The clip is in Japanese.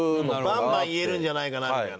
バンバン言えるんじゃないかなみたいな。